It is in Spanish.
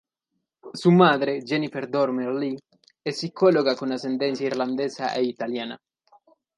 Su madre, Jennifer Dormer Lee, es psicóloga con ascendencia irlandesa e italiana.